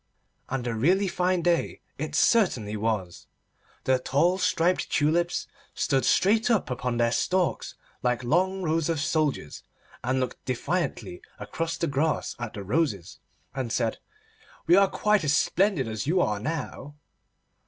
And a really fine day it certainly was. The tall striped tulips stood straight up upon their stalks, like long rows of soldiers, and looked defiantly across the grass at the roses, and said: 'We are quite as splendid as you are now.